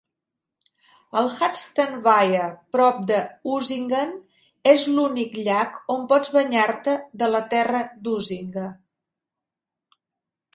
El Hattsteinweiher, prop de Usingen, és l'únic llac on pots banyar-te de la "Terra d'Usinger".